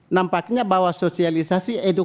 nampaknya bahwa sosialisasi ini tidak bisa dikonsumsi